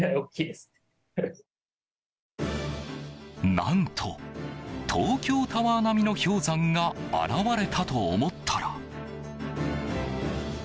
何と東京タワー並みの氷山が現れたと思ったら。